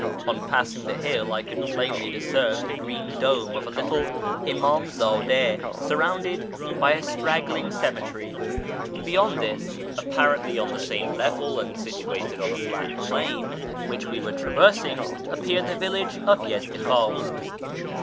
On passing the hill I could plainly discern the green dome of a little Imamzi'ide surrounded by a straggling cemetery : beyond this, apparently on the same level, and situated on the fiat plain which we were traversing, appeared the village of Yezdikhwast.